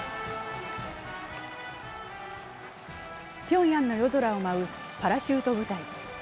ピョンヤンの夜空を舞うパラシュート部隊。